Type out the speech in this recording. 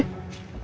nah piter dulu ah